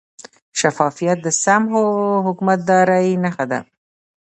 شفافیت د سم حکومتدارۍ نښه ده.